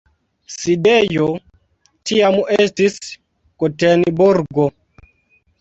Sidejo tiam estis Gotenburgo.